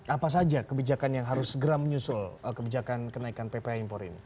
apa saja kebijakan yang harus segera menyusul kebijakan kenaikan pph impor ini